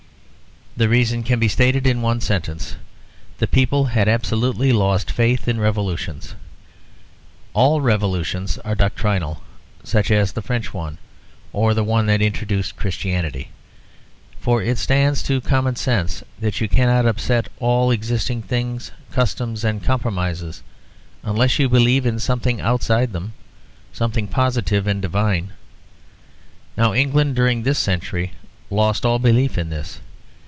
The reason can be stated in one sentence. The people had absolutely lost faith in revolutions. All revolutions are doctrinal such as the French one, or the one that introduced Christianity. For it stands to common sense that you cannot upset all existing things, customs, and compromises, unless you believe in something outside them, something positive and divine. Now, England, during this century, lost all belief in this.